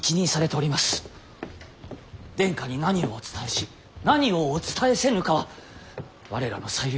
殿下に何をお伝えし何をお伝えせぬかは我らの裁量。